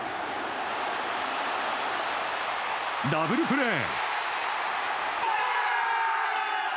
ダブルプレー。